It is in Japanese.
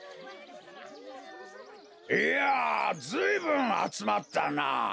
いやずいぶんあつまったなあ。